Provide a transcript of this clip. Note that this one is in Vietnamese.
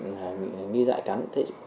nghi dạy cắn